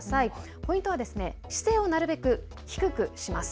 ポイントは姿勢をなるべく低くします。